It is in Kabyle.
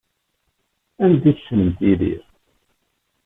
Anda ay tessnemt Yidir?